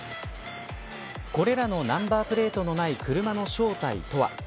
これらのナンバープレートのない車の正体とは。